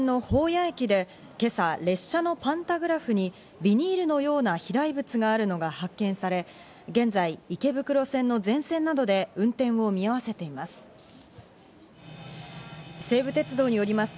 谷駅で今朝、列車のパンタグラフにビニールのような飛来物があるのが発見され、現在、池袋線の全線などで運転を見合わせています。